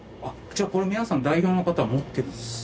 じゃあこれ皆さん代表の方は持ってるんですね？